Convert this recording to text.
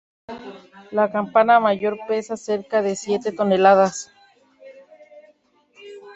La campana mayor pesa cerca de siete toneladas.